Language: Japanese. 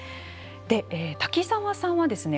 滝沢さんはですね